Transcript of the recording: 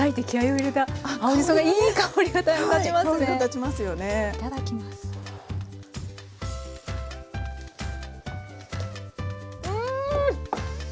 うん！